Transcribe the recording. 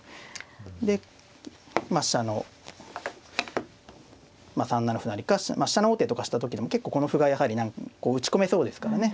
でまあ飛車の３七歩成か飛車の王手とかした時でも結構この歩がやはりこう打ち込めそうですからね。